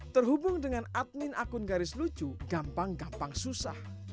terhubung dengan admin akun garis lucu gampang gampang susah